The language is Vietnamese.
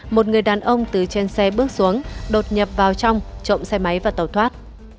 một người đàn ông từ trên xe bước xuống đột nhập vào trong trộm xe máy và tàu thoát